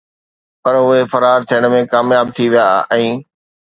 پر اهي فرار ٿيڻ ۾ ڪامياب ٿي ويا ۽